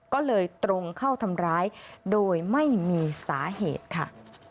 ก็เลยตรงเข้าทำร้ายโดยไม่มีสาเหตุค่ะ